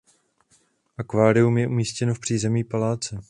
Akvárium je umístěno v přízemí paláce.